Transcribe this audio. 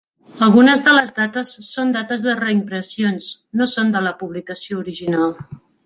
Algunes de las dates són dates de reimpressions, no són de la publicació original.